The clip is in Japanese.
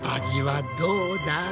味はどうだ？